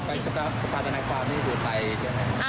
ไปสภาธนาความนี่หรือไปอย่างไร